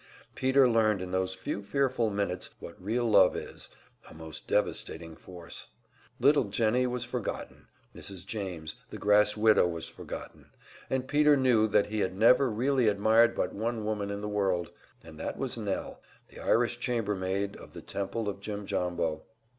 Peter learned in those few fearful minutes what real love is, a most devastating force. Little Jennie was forgotten, Mrs. James, the grass widow was forgotten, and Peter knew that he had never really admired but one woman in the world, and that was Nell, the Irish chambermaid of the Temple of Jimjambo.